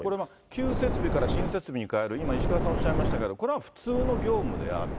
旧設備から新設備に変える、今、石川さんおっしゃいましたけれども、これは普通の業務である。